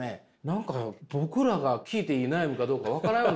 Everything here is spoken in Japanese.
何か僕らが聞いていい悩みかどうか分からん。